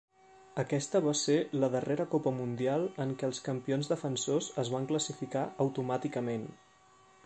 Aquesta va ser la darrera Copa Mundial en què els campions defensors es van classificar automàticament.